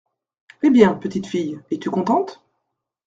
Eh bien, petite fille, es-tu contente ?…